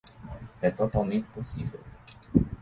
É totalmente impossível.